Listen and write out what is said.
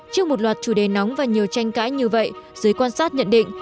trước một loạt chủ đề nóng và nhiều tranh cãi như vậy giới quan sát nhận định